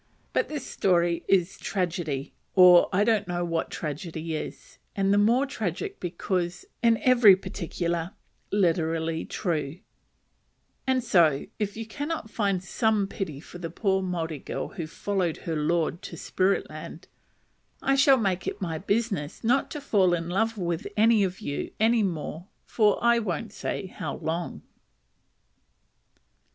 But this story is tragedy, or I don't know what tragedy is; and the more tragic because, in every particular, literally true: and so, if you cannot find some pity for the poor Maori girl who "followed her lord to spirit land," I shall make it my business not to fall in love with any of you any more for I won't say how long.